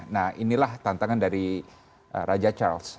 nah inilah tantangan dari raja charles